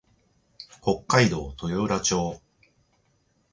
北海道豊浦町